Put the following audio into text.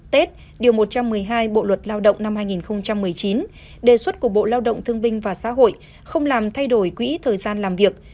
tết điều một trăm một mươi hai bộ luật lao động năm hai nghìn một mươi chín đề xuất của bộ lao động thương binh và xã hội không làm thay đổi quỹ thời gian làm việc